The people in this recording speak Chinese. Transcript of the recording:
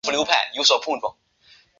芝麻打糕是打糕的一种。